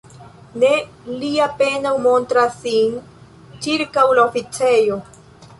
Ne, li apenaŭ montras sin ĉirkaŭ la oficejo.